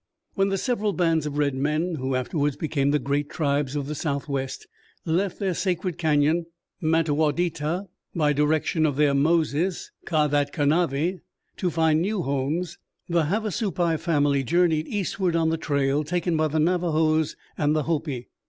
When the several bands of red men, who afterwards became the great tribes of the south west, left their sacred Canyon mat aw we' dit ta by direction of their Moses Ka that ka na' ve to find new homes, the Havasupai family journeyed eastward on the trail taken by the Navajos and the Hopi.